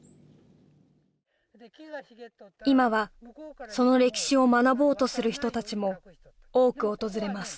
今はその歴史を学ぼうとする人たちも多く訪れます